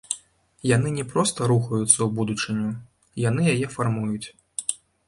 Яны не проста рухаюцца ў будучыню, яны яе фармуюць.